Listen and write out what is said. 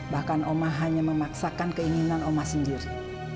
bahkan omah hanya memaksakan keinginan omah sendiri